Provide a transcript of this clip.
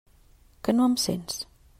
Que no em sents?